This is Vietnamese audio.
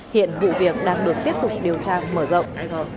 hiện vụ việc đang được tiếp tục điều tra mở rộng